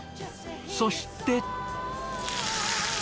そして。